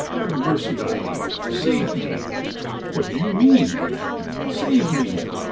Have mercy on me. Save me !'*'' What do you mean ?'Save me !'